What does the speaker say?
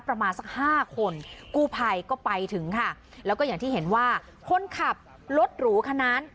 ประมาณสักห้าคนกู้ภัยก็ไปถึงค่ะแล้วก็อย่างที่เห็นว่าคนขับรถหรูคันนั้น